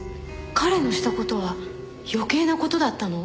彼のした事は余計な事だったの？